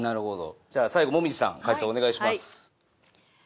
さあ最後紅葉さん解答お願いします。